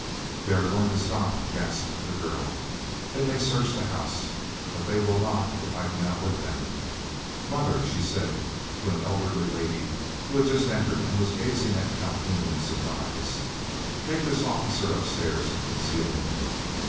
"They are going to stop," gasped the girl. "They may search the house, but they will not if I can outwit them. Mother," she said, to an elderly lady who had just entered and was gazing at Calhoun in surprise, "take this officer upstairs and conceal him.